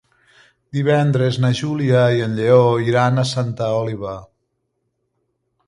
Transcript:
Divendres na Júlia i en Lleó iran a Santa Oliva.